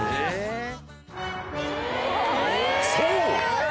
［そう。